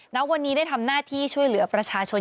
ณวันนี้ได้ทำหน้าที่ช่วยเหลือประชาชน